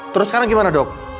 terus sekarang gimana dok